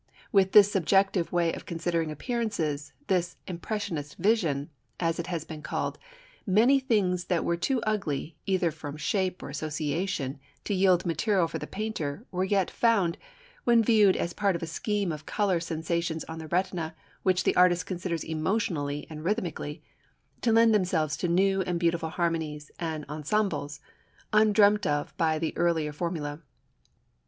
With this subjective way of considering appearances this "impressionist vision," as it has been called many things that were too ugly, either from shape or association, to yield material for the painter, were yet found, when viewed as part of a scheme of colour sensations on the retina which the artist considers emotionally and rhythmically, to lend themselves to new and beautiful harmonies and "ensembles," undreamt of by the earlier formulae.